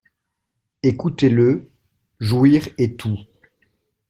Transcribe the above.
Écoutez-le: — Jouir est tout.